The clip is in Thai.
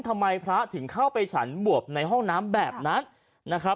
ทำไมพระถึงเข้าไปฉันบวบในห้องน้ำแบบนั้นนะครับ